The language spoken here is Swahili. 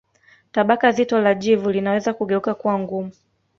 Tabaka zito la jivu linaweza kugeuka kuwa ngumu